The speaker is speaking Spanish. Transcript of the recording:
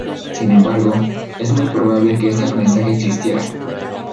Sin embargo, es muy probable que este aprendizaje existiera.